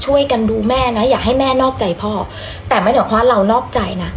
ช่วยกันดูแม่นะอยากให้แม่นอกใจพ่อแต่ไม่เหมือนความเรานอกใจนะ